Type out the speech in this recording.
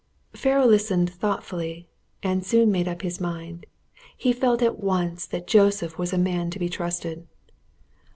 Pharaoh listened thoughtfully, and soon made up his mind. He felt at once that Joseph was a man to be trusted.